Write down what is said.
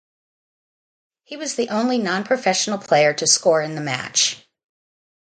He was the only non-professional player to score in the match.